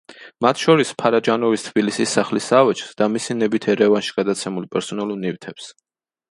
მათ შორის, ფარაჯანოვის თბილისის სახლის ავეჯს და მისი ნებით ერევანში გადაცემულ პერსონალურ ნივთებს.